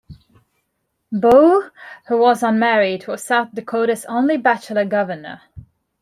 Boe, who was unmarried, was South Dakota's only bachelor governor.